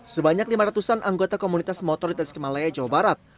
sebanyak lima ratusan anggota komunitas motor di tasik malaya jawa barat